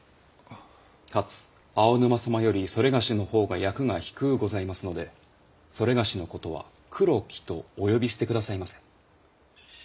かつ青沼様よりそれがしのほうが役が低うございますのでそれがしのことは黒木とお呼び捨て下さいませ。